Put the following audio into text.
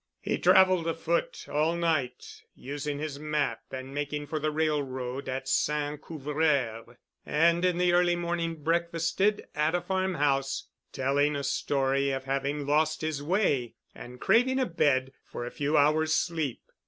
He traveled afoot all night, using his map and making for the railroad at St. Couvreur, and in the early morning breakfasted at a farmhouse, telling a story of having lost his way and craving a bed for a few hours' sleep.